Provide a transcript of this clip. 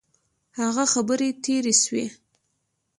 هغه خبري تیري سوې.